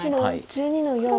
白１２の四。